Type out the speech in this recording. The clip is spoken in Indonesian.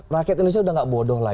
rakyat indonesia sudah tidak bodoh